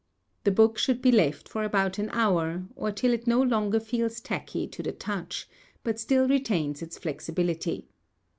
The book should be left for about an hour, or till it no longer feels tacky to the touch, but still retains its flexibility.